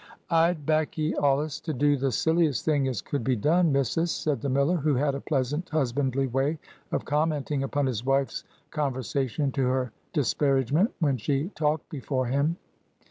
"I'd back 'ee allus to do the silliest thing as could be done, missus," said the miller, who had a pleasant husbandly way of commenting upon his wife's conversation to her disparagement, when she talked before him.